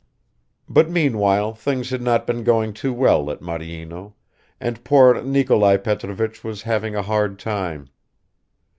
But meanwhile things had not been going too well at Maryino, and poor Nikolai Petrovich was having a hard time.